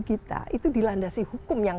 kita itu dilandasi hukum yang